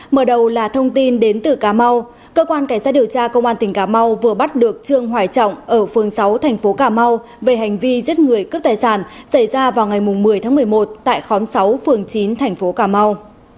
mở đầu là thông tin đến từ cà mau cơ quan cảnh sát điều tra công an tỉnh cà mau vừa bắt được trương hoài trọng ở phường sáu thành phố cà mau về hành vi giết người cướp tài sản xảy ra vào ngày một mươi tháng một mươi một tại khóm sáu phường chín thành phố cà mau